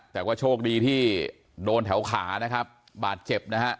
แต่ว่าโชคดีที่โดนแถวขานะครับบาดเจ็บนะฮะ